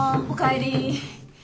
おかえり。